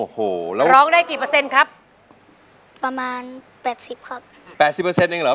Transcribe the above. โอ้โหแล้วร้องได้กี่เปอร์เซ็นต์ครับ